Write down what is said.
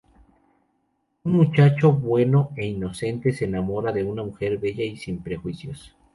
Un muchacho bueno e inocente se enamora de una mujer bella y sin prejuicios.